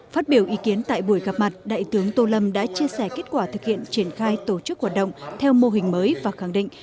phát biểu ý kiến tại buổi gặp mặt đại tướng tô lâm đã chia sẻ kết quả thực hiện triển khai tổ chức hoạt động theo mô hình mới và khẳng định